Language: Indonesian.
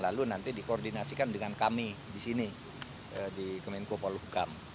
lalu nanti dikoordinasikan dengan kami di sini di kemenko poluhukam